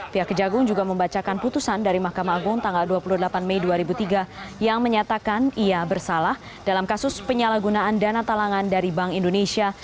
pihak kejagung juga membacakan putusan dari mahkamah agung tanggal dua puluh delapan mei dua ribu tiga yang menyatakan ia bersalah dalam kasus penyalahgunaan dana talangan dari bank indonesia